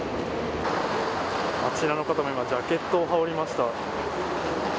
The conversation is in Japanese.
あちらの方も今、ジャケットを羽織ました。